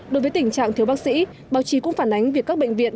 đối với tình trạng thiếu bác sĩ báo chí cũng phản ánh việc các bệnh viện